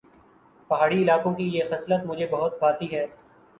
پہاڑی علاقوں کی یہ خصلت مجھے بہت بھاتی ہے